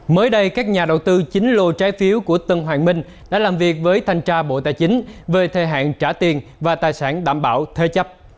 mới đây các nhà đầu tư chính lô trái phiếu của tân hoàng minh đã làm việc với thanh tra bộ tài chính về thời hạn trả tiền và tài sản đảm bảo thế chấp